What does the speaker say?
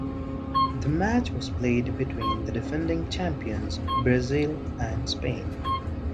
The match was played between the defending champions Brazil and Spain.